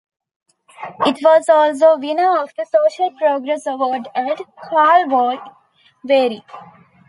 It was also winner of the Social Progress Award at Karlovy Vary.